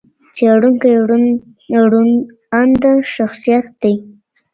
څېړونکی روڼ انده شخصیت دئ.